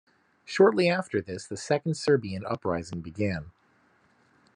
Shortly after this, the Second Serbian Uprising began.